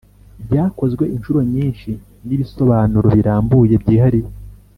Byakozwe inshuro nyinshi n’ibisobanuro birambuye byihariye